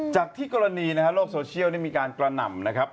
จากที่กรณีนะฮะโลกโซเชียลมีการกระหน่ำนะครับ